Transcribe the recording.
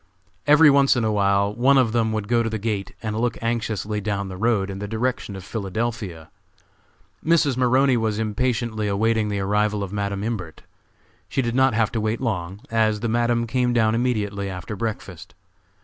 Every once in a while one of them would go to the gate and look anxiously down the road, in the direction of Philadelphia. Mrs. Maroney was impatiently awaiting the arrival of Madam Imbert. She did not have to wait long, as the Madam came down immediately after breakfast.